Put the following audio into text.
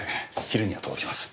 昼には届きます。